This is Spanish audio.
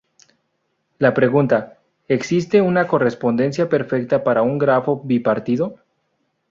La pregunta "¿Existe una correspondencia perfecta para un grafo bipartito?